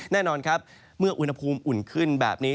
แน่นอนครับเมื่ออุณหภูมิอุ่นขึ้นแบบนี้